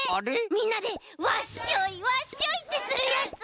みんなで「わっしょいわっしょい」ってするやつ！